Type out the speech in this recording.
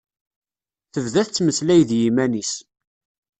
Tebda tettmeslay d yiman-is.